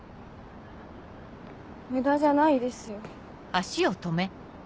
無駄じゃないですよ。